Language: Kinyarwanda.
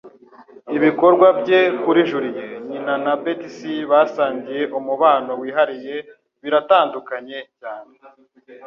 Ibikorwa bye kuri Julie, nyina na Betsy basangiye umubano wihariye biratandukanye cyane.